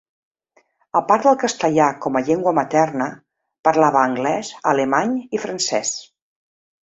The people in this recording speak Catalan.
A part del castellà com a llengua materna, parlava anglès, alemany i francès.